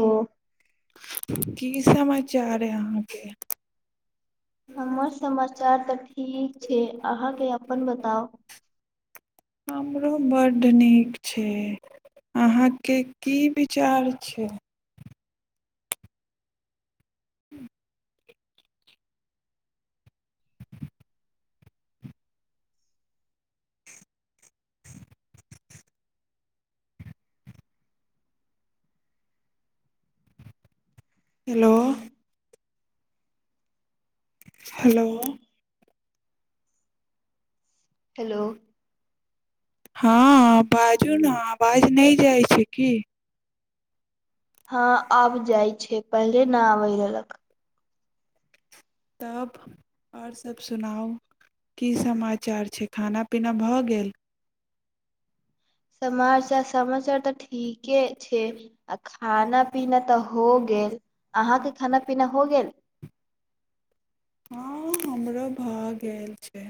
ओ की समाचार अय अहाँके हमर समाचार तऽ ठीक छै अहाँके अपन बताउ। हमरो बड्ड नीक छै अहाँके की विचार छै। [inaudible] हेलो। हेलो। हेलो हँ बाजू ने आवाज नहि जाइ छै की। हँ आब जाइ छै पहिले नहि आबै रहलक। तब आओर सब सुनाउ की समाचार छै खाना पिना भऽ गेल समाचार समाचार तऽ ठीक के छै आ खाना पीना तऽ हो गेल अहाँके खाना पीना हो गेल हँ हमरो भऽ गेल छै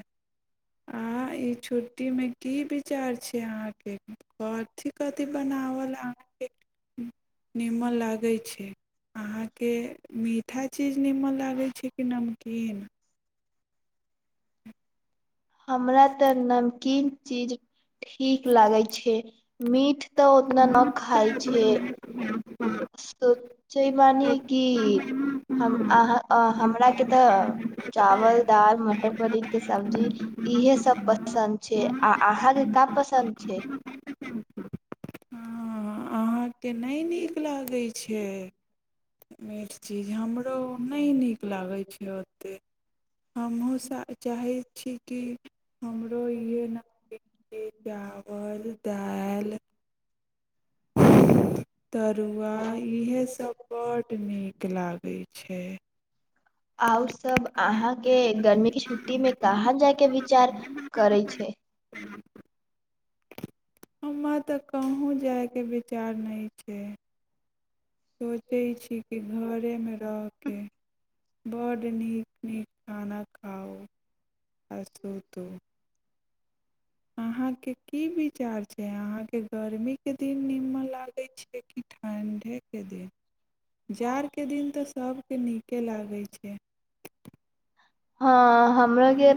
आ ई छुट्टीमे की विचार छै अहाँके कथी कथी बनावल अहाँके निमन लागैत छै अहाँके मीट हर चीज निमन लागै छै कि नमकीन हमरा तऽ नमकीन चीज ठीक लागै छै मीठ तऽ उतना न खाइ छै सोचयब बानी कि हम अहाँ अहाँ हम हमराके तऽ चावल दाल मटर पनीरके सब्जी इहे सब पसन्द छै आ नमकीन अहाँके का पसन्द छै हँ अहाँके नहि नीक लागै छी के ची [inaudible] हमरो नहि नीक लागै छै ओतेक हमूँ साह चाहित ठीके हमरो इहे न दे देत चावल दाईल तरुआ इहे सब बड्ड नीक लागे छै आउर सब अहााँके गर्मी छुट्टी मे कहाँ जायके विचार करैय छै हमरा तऽ कहूँ जाय के विचार नहि ठीक सोचै छी कि घरेमे रह कऽ बड्ड नीक नीक खान खाउ आ सुतू अहाँके की विचार छै अहाँके गर्मी के दिन म लागे छै कि ठन - अंधे के दे जाड़के दिन तऽ सभके नीके लागै छै हँ हमरा के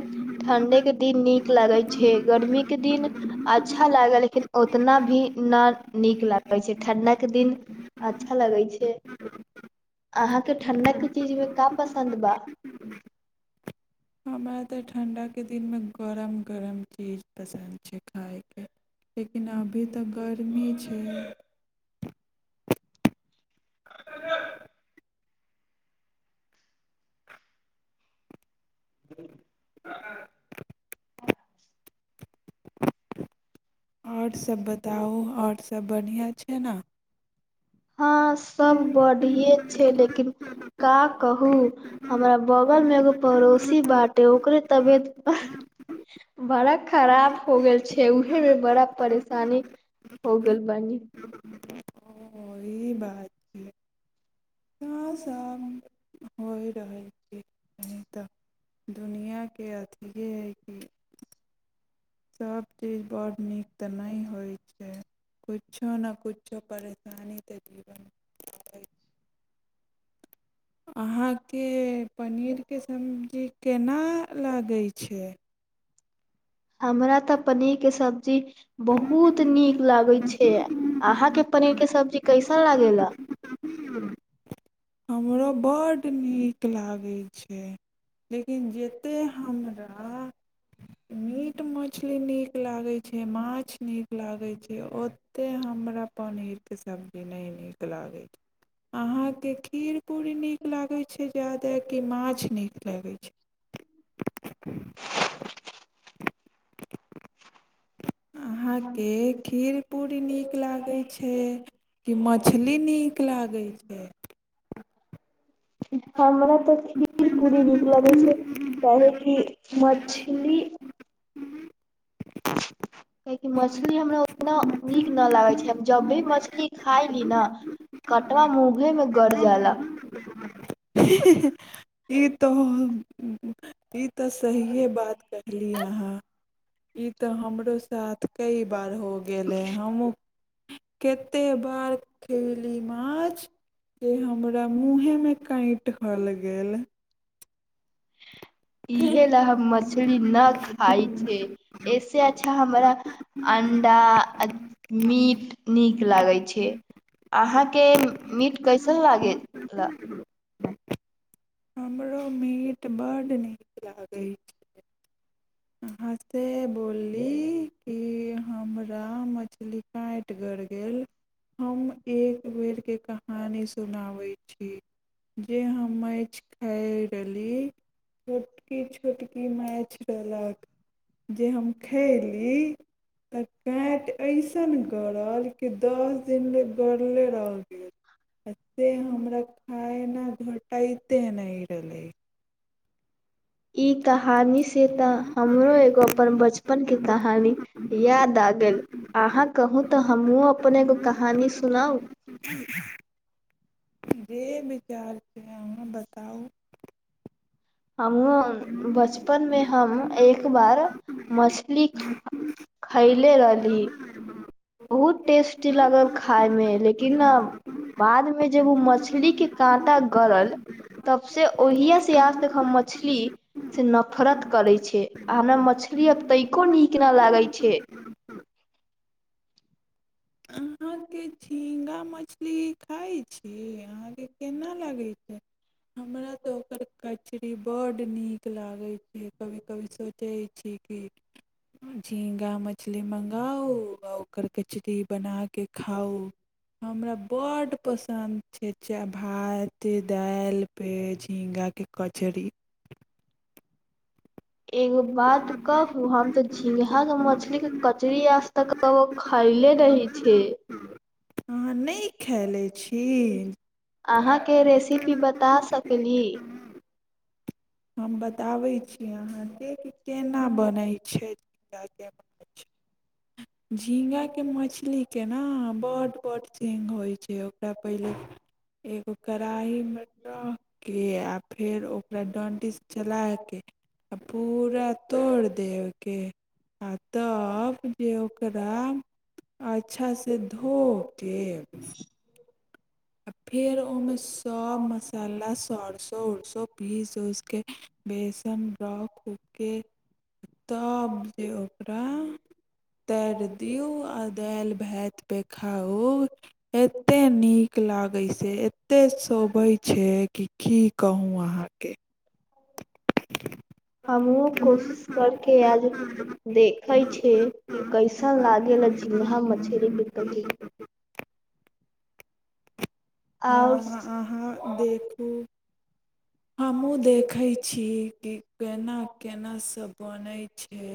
ठण्ढेके दिन नीक लगै छै गर्मीके दिन अच्छा लागल लेकिन उतना भी न नीक लागै छै ठण्डक के दिन अच्छा लगै छै अहाँके ठंडाके चीजमे का पसन्द बा हमरा तऽ ठण्ढाके दिनमे गरम गरम चीज पसन्द छै खायके लेकिन अभी तऽ गर्मी छै ह [inaudible] ह [inaudible] आओर सभ बताउ आओर सभ बढ़िआँ छै न हँ सब बढ़िेये छै लेकिन का कहू हमरा बगल मे एगो पड़ोसी बाटे ओकरे तबियत ह बड़ा खराब हो गेल छै उहेमे बड़ा परेशानी हो गेल बानी ओ ई ह बात [inaudible] छै कहाँ ह सब [inaudible] होइ रहल छै नहि तऽ दुनिआके अथिए हइ कि बड्ड नीक त कुछो न कुछो परेशानी तऽ जीवनमे आबै अहाँके पनीरके सब्जी केना लागै छै हमरा तऽ पनीर के सब जी बहुत नीक लागे छै अहाँ के पनीर के सब्जी कैसन लागे ला हमरो बड्ड नीक लागल हूँ छै लेकिन जते हमरा मीट मछली नीक लागै छै माछ नीक लागै छै ओतेक हमरा पनीरके सब्जी नहि नीक लागै छै अहाँके खीर पूरी नीक लागैत छै ज्यादे कि माछ नीक लागै छै अहाँके खीर पूरी नीक लागै छै कि मछली नीक लागै छै हमरा तऽ खीर पूरी नीक लगै छै काहे की मछली कियाकि मछली हमरा उतना नीक नहि लागै छै हम जब भी मछली खायली न कटवा मूँहेमे गरजाला हिं हिं ह ई तो ई तऽ सहिए बात कहली अहाँ ई तऽ हमरो साथ कई बार हो गेलै हमहूँ कतेक बार खयली माछ जे हमरा मूँहेमे काँटि गल गेल इहे लय हम मछली न खाय छै ऐसे अच्छा हमरा अण्डा मीट नीक लागै छै अहाँके मीट कैसन लागे ला हमरो मीट बड्ड नीक लागै छै हँसि त [inaudible] बोललीह कि हमरा मछली काटि गड़ गेल। हम एक बेर के [inaudible] कहानी सुनाबै छी जे हम माछ खाय रहली। छोटकी-छोटकी माछ रहलक जे हम खयली गरलके गेल आ से हमरा खाय ना घोटाइते नहि रहलै। ई कहानी से तऽ हमरो एगो अपन बचपन के कहानी याद आ गेल अहाँ कहू तऽ हमहुूँ अपन एगो कहानी सुनाउ जे विचार हुआ हमूँ बचपन मे हम एक बार मछली खयले रहली बहुत टेस्ट लागल खायमे लेकिन बादमे जब ओ मछलीके काँटा गरल तबसँ ओहिय से आज तक हम मछलीसँ नफरत करै छै आ हमरा मछली आब तैको नीक नहि लागै छै अहाँके झिङगा मछली खाइ छी अहाँके केना लागैत छै हमरा तऽ ओकर कचरी बड्ड नीक लागैत छै कभी कभी सोचै छी कि झींगा मछली मँगाउ आ ओकर कचरी बनाके खाउ हमरा बड पसन्द छै चाह भात दालि पे झींगा के कचड़ी एगो बात कहू हम त झिंगाह के मछली के कचरी आज तक ओ खैले रहै छै अहाँ नहि खैलै छी अहाँके रेसिपी बता सकली हम बताबै छी अहाँके अ [inaudible] झिङ्ंगाके मछलीके न बड बड सिङ्घ होइ छै ओकरा पहिले एगो कड़ाहीमे रख कऽ आब फेर ओ ओकरा डंटी चला के आ पूरा तोड़ देबके आ तब जे राम अच्छासे धो के [inaudible] आ फिर ओमेस सब मसाला सरसो उरसो पीस उसके बेसन रखु के तब जे ओकरा तैर दिऔ आ दालि भात पे खाउ एते नीक नीक लागै से एतेक शोभै छै कि की कहू अहाँके [inaudible] हमहु कोशिश करके आज देखै छिय कि कैसन लागल झींगा मछली के कचरी हँ आओर ह अहाँ देखू हमहूँ देखै छी कि केना केना सभ बनैत छै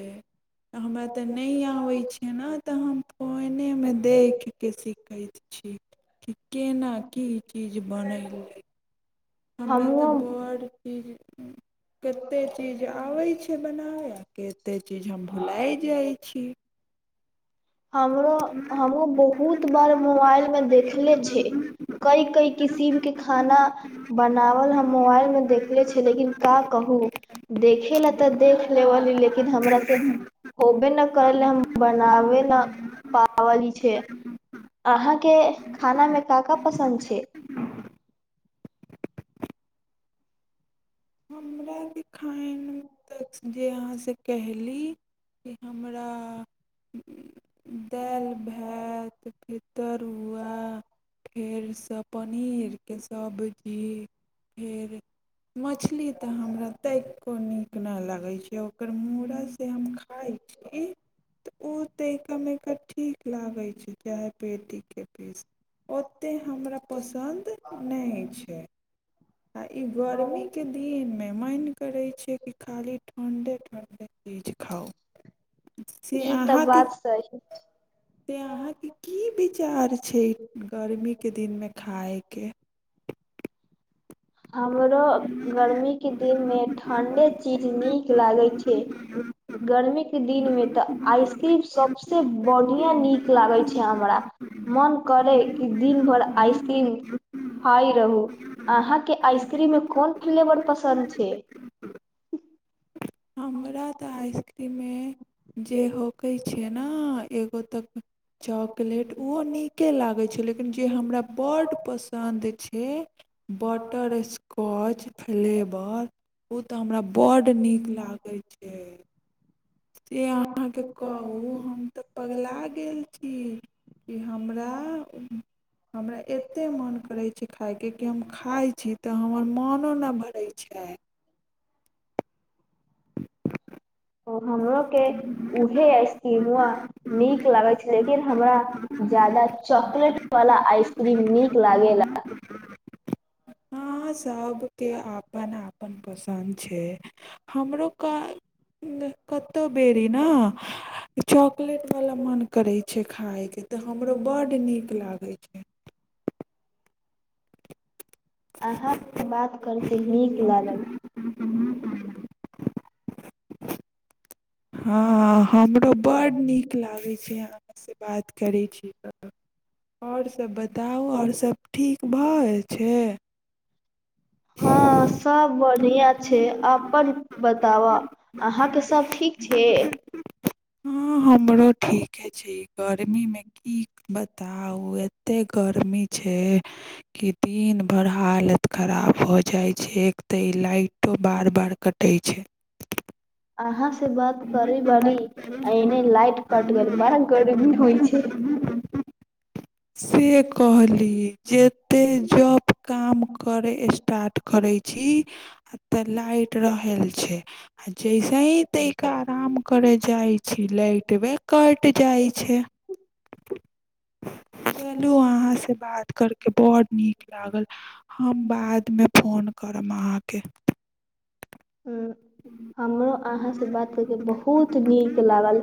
हमरा तऽ नहि आबै छिय ने तऽ हम फोनेमे देखिकऽ सीख करैत छी। कि केना ई चीज बनै लै। हमरा तऽ हमहुँ बड़ चीज कतेक चीज आबै छै बनाबेय आ कतेक चीज हम भुलाय जाइ छी हमरो हमो बहुत बार मोबाइल मे देखले छ कई कई किसिम के खाना बनावल हम मोबाइल मे देखले छ लेकिन का कहू देखे ल तऽ देख लेबी लेकिन हमरा से होबे नहि करल हम बनाबे। हँ पावली छै अहाँके खानामे का का पसन्द छै हमरा खायब त जे अहाँसे कहे ली कि हमरा दालि भात के तर तरुआ फेरसँ पनीर के सभजी फेर। मछली तऽ हमरा तनीको नीक न लागै छै ओकर मूड़ा से हम खाइ छी तऽ ओ तय एक दम ठीक लागै छै चाहे पेटीके पीस ओतेक हमरा पसन्द नहि छै आ ई गर्मी आके दिनमे मन करै छै कि खाली ठण्डे ठण्डे चीज खाउ से ई तऽ अहाँके बात सही से अहाँके की विचार छै गर्मीके दिनमे खायके हमरो गर्मीके दिनमे ठण्डे चीज नीक लागैत छै गर्मीक के दिनमे तऽ आइसक्रीम सभसँ बढ़िआं नीक लागैत छै हमरा मन करै कि दिन भरि आइसक्रीम खााय रहू अहाँ। आइसक्रीम मे कोन फ्लेवर पसन्द छै। [inaudible] हमरा तऽ आइसक्रीममे जे होक छै ने एगो तऽ चॉकलेट ओहो नीके लागैत छै लेकिन जे हमरा बड्ड पसन्द छै बटर स्कॉच। फ्लेवर उ। तऽ हमरा बड नीक लागत। [inaudible] से अहाँके कहू हम तऽ पगला गेल छी कि हमरा-हमरा एतेक मोन करै छै खायके कि हम खाइ छी तऽ हमर मोनो नहि भरै छै। हमरो के छै उहे आइसक्रीमवा नीक लागे छै लेकिन हमरा ज्यादा चॉकलेट वाला आइसक्रीम नीक लागेला ह सबके अपन अपन अपन पसन्द छै हमरो का न [unintelligible] कतौ बेरी ने चॉकलेट वाला मन करे छै खाय के तऽ हमरो बड नीक लागे छै अहाँ सँ बात करके नीक लागल हँ हमरो बड नीक लागै छै आहाँ आहाँ‌‌ सँ बात करै छी तऽ आओर सभ बताउ आओर सभ ठीक भऽ रहल छै हँ सब बढ़िआँ छै अपन बताबऽ अहाँके सब ठीक छै के छी गर्मीमे की बताउ एते गर्मी छै कि दिन भर हालत खराब भऽ जाइ छै एक तऽ ई लाइटो बार बार कटै छै अहाँ से बात करै बारी आ एने लाइट कट गेल बड़ा गर्मी होइ छै से कहली जते जॉब काम करय स स्टार्ट करे छी तऽ लाइट रहल छै आ जैसे ही तनिका आराम करे जाइ छी लाइट बे कट जाइ छै चलू अहाँ से बात करके बड नीक लागल हम बात फोन करब अहाँके हमरो अहाँसँ बात करके बहुत नीक लागल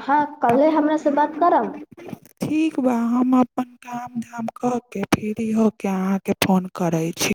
अहाँ कल्हे हमरा से बात करब ठीक बा हम अपन काम धाम कऽ के फ्री हो के अहाँके फोन करै छी